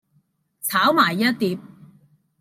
炒埋一碟